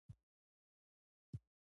د نانوایی ډوډۍ مبادلوي ارزښت لري.